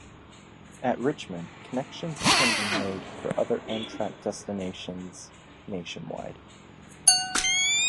At Richmond, connections can be made for other Amtrak destinations nationwide.